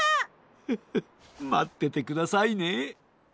フフッまっててくださいね！